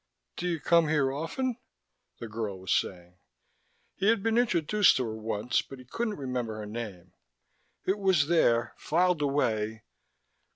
"Do you come here often?" the girl was saying. He had been introduced to her once, but he couldn't remember her name. It was there, filed away....